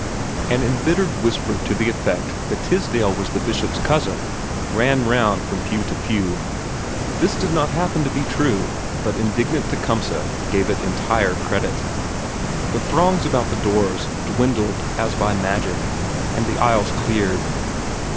An embittered whisper to the effect that Tisdale was the Bishop's cousin ran round from pew to pew. This did not happen to be true, but indignant Tecumseh gave it entire credit. The throngs about the doors dwindled as by magic, and the aisles cleared.